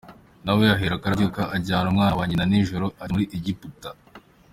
Na we aherako arabyuka ajyana umwana na nyina nijoro, ajya muri Egiputa